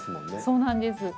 そうなんです。